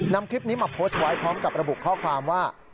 นำคลิปนี้มาโพสต์ไว้พร้อมกับระบุข้อความว่า